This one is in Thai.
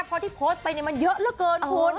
เพราะที่โพสต์ไปมันเยอะเหลือเกินคุณ